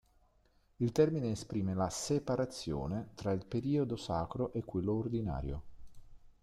Il termine esprime la "separazione" tra il periodo sacro e quello ordinario.